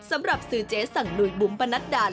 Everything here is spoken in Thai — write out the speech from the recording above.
สำหรับซื้อเจ๊สั่งลุยบุ๋มปะนัดดา